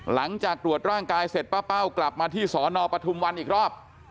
หลังจากตรวจร่างกายเสร็จป้าเป้ากลับมาที่สอนอปทุมวันอีกรอบ